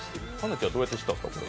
ちは、どうやって知ったんですか？